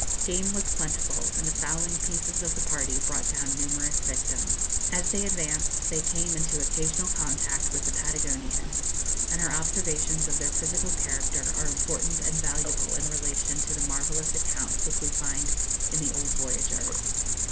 Game was plentiful, and the fowling pieces of the party brought down numerous victims. As they advanced they came into occasional contact with the Patagonians, and her observations of their physical character are important and valuable in relation to the marvellous accounts which we find in the old voyagers.